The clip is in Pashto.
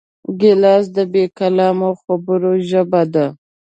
ګیلاس د بېکلامو خبرو ژبه ده.